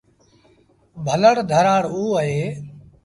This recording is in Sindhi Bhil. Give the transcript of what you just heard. ڀلڙ ڌرآڙ اوٚ اهي۔